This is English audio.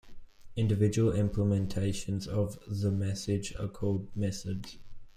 Individual implementations of the "message" are called "methods".